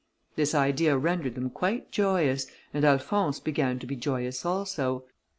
This idea rendered them quite joyous, and Alphonse began to be joyous also.